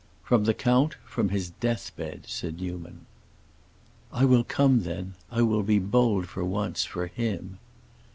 "From the count—from his death bed," said Newman. "I will come, then. I will be bold, for once, for him."